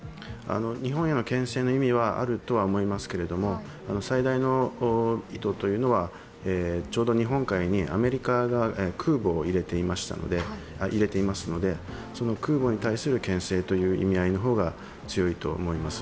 日本へのけん制の意味はあるとは思いますけれども最大の意図というのは、ちょうど日本海にアメリカが空母を入れていますので、その空母に対するけん制という意味合いの方が強いと思います。